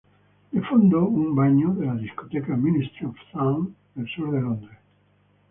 De fondo, un baño de la discoteca Ministry of Sound, del sur de Londres.